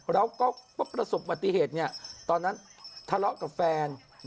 แล้วก็ประสบปฏิเหตุตอนนั้นทะเลาะกับแฟน